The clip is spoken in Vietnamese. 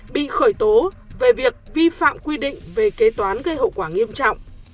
bị khởi tố về việc vi phạm quy định về kế toán gây hậu quả nghiêm trọng